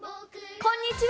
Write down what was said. こんにちは！